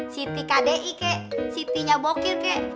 siti kdi kek sitinya bokir kek